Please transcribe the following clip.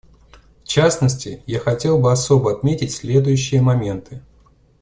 В частности, я хотел бы особо отметить следующее моменты.